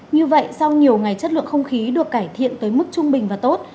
như vậy sau nhiều ngày chất lượng không khí được cải thiện tới mức trung bình và tốt